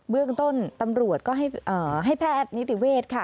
เรื่องต้นตำรวจก็ให้แพทย์นิติเวชค่ะ